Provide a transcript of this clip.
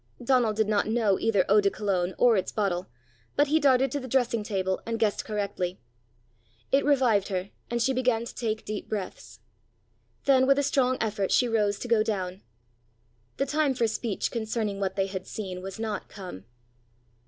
Donal did not know either eau de Cologne or its bottle, but he darted to the dressing table and guessed correctly. It revived her, and she began to take deep breaths. Then with a strong effort she rose to go down. The time for speech concerning what they had seen, was not come!